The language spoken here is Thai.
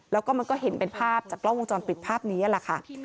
แล้วก็มันก็เห็นเป็นภาพจากกล้องวงจรปิดภาพนี้แหละค่ะ